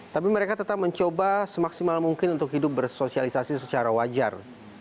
tapi mereka tetap mencoba semaksimal mungkin untuk hidup bersosialisasi secara wajar